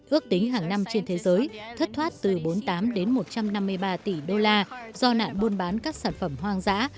ước tính hàng năm trên thế giới thất thoát từ bốn mươi tám đến một trăm năm mươi ba tỷ đô la do nạn buôn bán các sản phẩm hoang dã